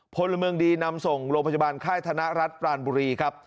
พลเมืองดีนำส่งโรงพยาบาลค่ายธนรัฐปรานบุรีครับ